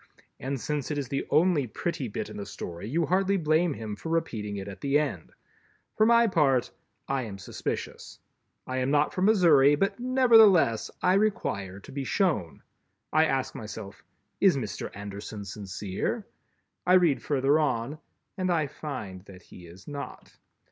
and since it is the only pretty bit in the Story, you hardly blame him for repeating it at the end. For my part, I am suspicious; I am not from Missouri, but, nevertheless, I require to be shown. I ask myself: "Is Mr. Anderson sincere?" I read further on, and I find that he is not.